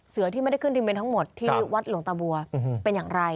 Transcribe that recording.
ที่ไม่ได้ขึ้นทะเบียนทั้งหมดที่วัดหลวงตาบัวเป็นอย่างไร